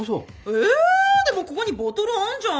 えでもここにボトルあんじゃん！